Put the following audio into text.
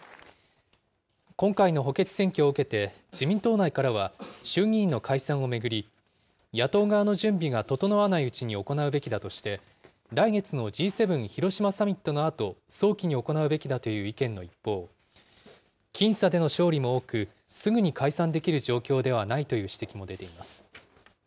今回の補欠選挙を受けて自民党内からは、衆議院の解散を巡り、野党側の準備が整わないうちに行うべきだとして、来月のＧ７広島サミットのあと、早期に行うべきだという意見の一方、僅差での勝利も多く、すぐに解散できる状況ではないという指摘も出ています。